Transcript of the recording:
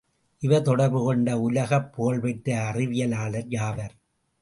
இவர் தொடர்பு கொண்ட உலகப்புகழ்பெற்ற அறிவியலார் யாவர்?